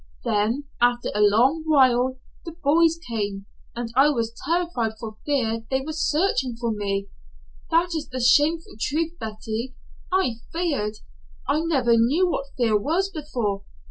Then, after a long while, the boys came, and I was terrified for fear they were searching for me. That is the shameful truth, Betty. I feared. I never knew what fear was before.